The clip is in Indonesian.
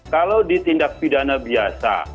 kalau di tindak pidana biasa